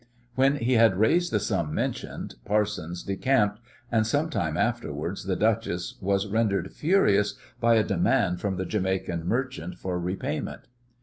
When he had raised the sum mentioned, Parsons decamped, and some time afterwards the duchess was rendered furious by a demand from the Jamaican merchant for repayment.